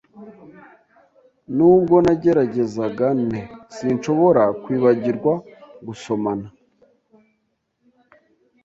Nubwo nagerageza nte, sinshobora kwibagirwa gusomana.